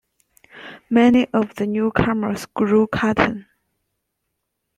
Many of the newcomers grew cotton.